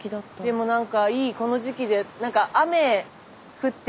でもなんかいいこの時期で。